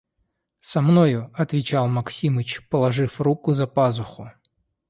– Со мною, – отвечал Максимыч, положив руку за пазуху.